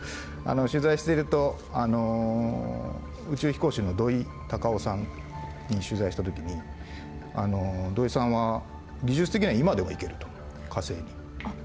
取材していると宇宙飛行士の土井隆雄さんに取材した時に土井さんは技術的には今でも行けると火星に。